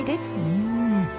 うん。